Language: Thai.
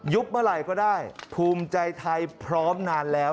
เมื่อไหร่ก็ได้ภูมิใจไทยพร้อมนานแล้ว